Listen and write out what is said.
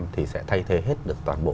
thì sẽ thay thế hết được toàn bộ